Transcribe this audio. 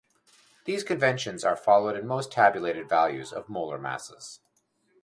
These conventions are followed in most tabulated values of molar masses.